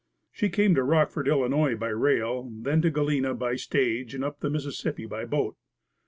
She came to Rockford, Ill., by rail, then to Galena by stage and up the Mississippi by boat.